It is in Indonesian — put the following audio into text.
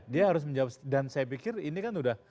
dia harus menjawab dan saya pikir ini kan udah